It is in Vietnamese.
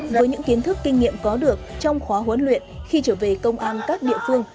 với những kiến thức kinh nghiệm có được trong khóa huấn luyện khi trở về công an các địa phương